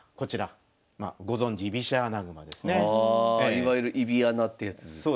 いわゆる居飛穴ってやつですよね。